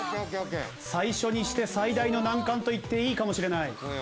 最初にして最大の難関と言っていいかもしれない。